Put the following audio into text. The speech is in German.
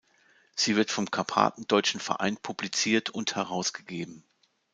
Sie wird vom Karpatendeutschen Verein publiziert und herausgegeben.